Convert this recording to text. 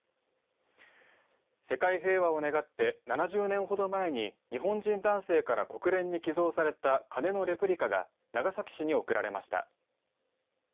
世界平和を願って７０年ほど前に日本人男性から国連に寄贈された鐘のレプリカが長崎市に贈られました。